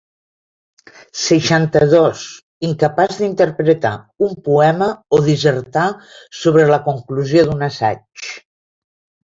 Seixanta-dos incapaç d'interpretar un poema o dissertar sobre la conclusió d'un assaig.